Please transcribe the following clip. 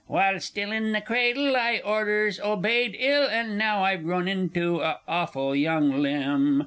_ While still in the cradle, I orders obeyed ill, And now I've grown into a awful young limb!